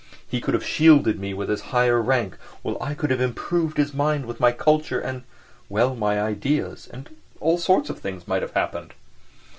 "He could have shielded me with his higher rank, while I could have improved his mind with my culture, and, well ... my ideas, and all sorts of things might have happened."